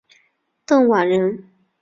邓琬人。